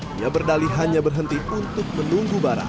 dia berdali hanya berhenti untuk menunggu barang